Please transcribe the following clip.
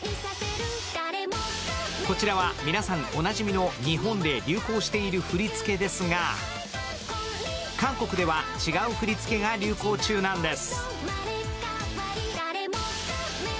こちらは皆さん、おなじみの日本で流行している振り付けですが韓国では違う振り付けが流行中なんです。